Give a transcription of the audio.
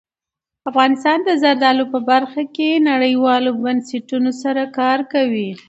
افغانستان د زردالو په برخه کې نړیوالو بنسټونو سره کار کوي.